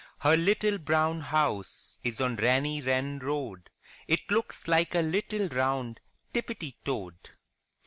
Her little brown house is on Reeny Ren Road, It looks like a little round Tippity Toad